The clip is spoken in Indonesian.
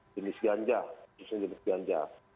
jenis ganja khususnya jenis ganja